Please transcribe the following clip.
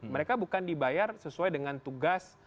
mereka bukan dibayar sesuai dengan tugas